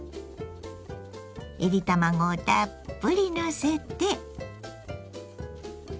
いり卵をたっぷりのせて。